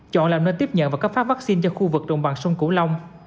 chọn làm nơi tiếp nhận và cấp phát vaccine cho khu vực đồng bằng sông cửu long